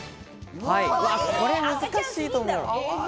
これ難しいと思う。